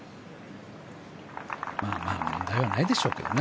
まあまあ問題はないでしょうけどね